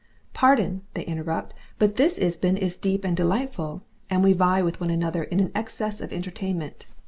Pardon! they interrupt, but this Ibsen is deep and delightful, and we vie with one another in an excess of entertainment.